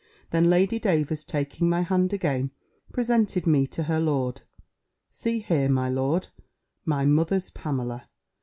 Then Lady Davers taking my hand again, presented me to her lord: "See here, my lord, my mother's Pamela."